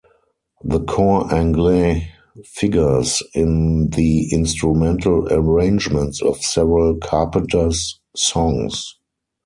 The cor anglais figures in the instrumental arrangements of several Carpenters songs.